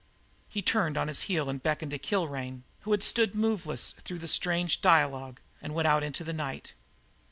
He turned on his heel, beckoned to Kilrain, who had stood moveless through the strange dialogue, and went out into the night.